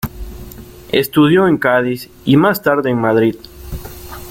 Estudió en Cádiz y más tarde en Madrid.